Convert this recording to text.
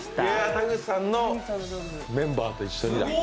谷口さんのメンバーと一緒にだ。